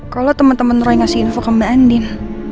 kalau temen temen roy ngasih info ke mba andien